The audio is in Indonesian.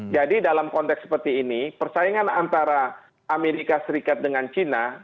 jadi dalam konteks seperti ini persaingan antara amerika serikat dengan china